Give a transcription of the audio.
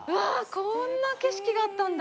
こんな景色だったんだ！